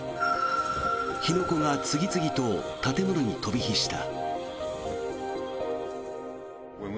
火の粉が次々と建物に飛び火した。